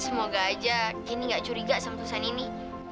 semoga aja candy gak curiga sama susah nini